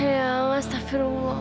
ya allah astagfirullah